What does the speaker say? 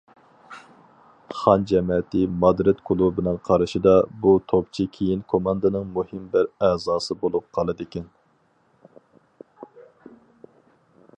خان جەمەتى مادرىد كۇلۇبىنىڭ قارىشىدا، بۇ توپچى كېيىن كوماندىنىڭ مۇھىم بىر ئەزاسى بولۇپ قالىدىكەن.